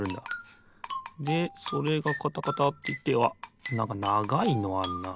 でそれがカタカタっていってあっなんかながいのあんな。